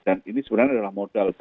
dan ini sebenarnya adalah modal